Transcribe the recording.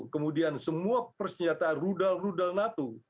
kemudian semua persenjataan rudal rudal natu